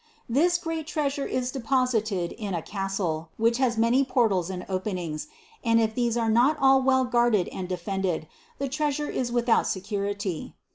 This great treasure is deposited in a castle, which has many portals and openings, and if these are not all well guarded and defended, the treasure is without secur ity.